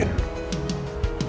karena andin ibunya